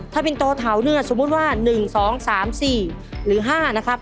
ถ้าเป็นโตเถาเนี่ยสมมุติว่า๑๒๓๔หรือ๕นะครับ